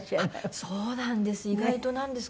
そうなんです。